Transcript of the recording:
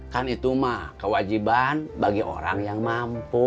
kan itu mah kewajiban bagi orang yang mampu